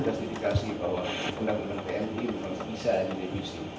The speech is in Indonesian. justifikasi bahwa undang undang tni memang bisa direvisi